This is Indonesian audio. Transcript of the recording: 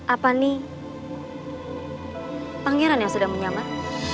apa nih pangeran yang sudah menyamar